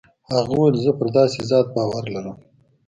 هغه وويل زه پر داسې ذات باور لرم.